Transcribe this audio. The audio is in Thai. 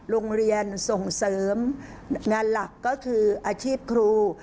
โรงเรียนส่งเสริมงานหลักก็คืออาชีพครู